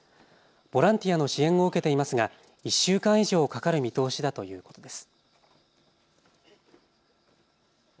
ボランティアの支援を受けていますが１週間以上かかる見通しだということです。